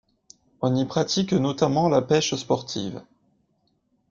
On y pratique notamment la pêche sportive.